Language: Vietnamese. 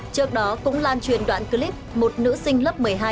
trước đó cũng lan truyền đoạn clip một nữ sinh lớp một mươi hai